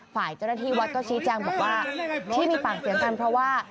ฝ่ายเจ้าหน้าที่วัดก็ชี้แจงบอกว่าที่มีปากเสียงกันเพราะว่า